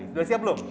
udah siap belum